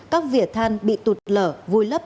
các vỉa than bị tụt lở vùi lấp